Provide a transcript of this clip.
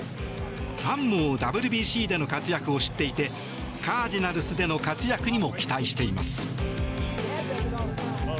ファンもＷＢＣでの活躍を知っていてカージナルスでの活躍にも期待しています。